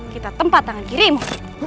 kita tempat tangan kirimu